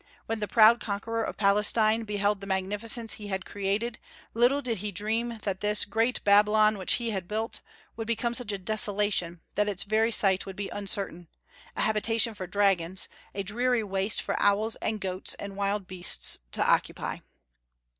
When the proud conqueror of Palestine beheld the magnificence he had created, little did he dream that "this great Babylon which he had built" would become such a desolation that its very site would be uncertain, a habitation for dragons, a dreary waste for owls and goats and wild beasts to occupy.